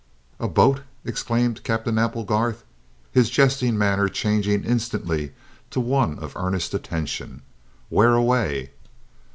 "A boat!" exclaimed Captain Applegarth, his jesting manner changing instantly to one of earnest attention. "Where away?"